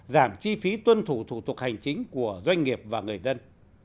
giảm chi phí tuân thủ thủ tục hành chính của doanh nghiệp và người dân